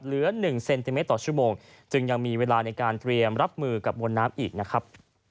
เหลือ๑เซนติเมตรต่อชั่วโมงจึงยังมีเวลาในการเตรียมรับมือกับมวลน้ำอีกนะครับ